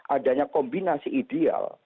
adanya kombinasi ideal